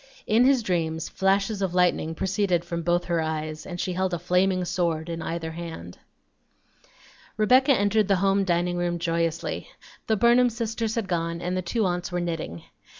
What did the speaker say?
In his dreams flashes of lightning proceeded from both her eyes, and she held a flaming sword in either hand. Rebecca entered the home dining room joyously. The Burnham sisters had gone and the two aunts were knitting.